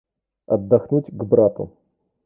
Отдохнуть к брату.